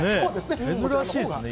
珍しいですね。